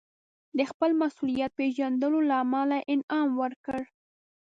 د خپل مسوولیت پېژندلو له امله انعام ورکړ.